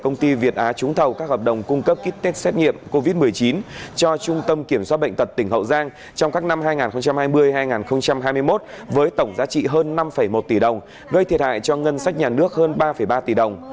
công ty việt á trúng thầu các hợp đồng cung cấp kích tết xét nghiệm covid một mươi chín cho trung tâm kiểm soát bệnh tật tỉnh hậu giang trong các năm hai nghìn hai mươi hai nghìn hai mươi một với tổng giá trị hơn năm một tỷ đồng gây thiệt hại cho ngân sách nhà nước hơn ba ba tỷ đồng